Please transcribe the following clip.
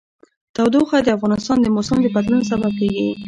تودوخه د افغانستان د موسم د بدلون سبب کېږي.